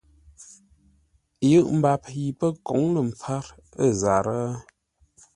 Yʉʼ mbap yi pə́ kǒŋ lə̂ mpfár ə̂ zarə́?